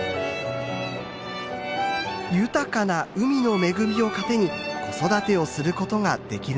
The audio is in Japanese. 豊かな海の恵みを糧に子育てをすることができるのです。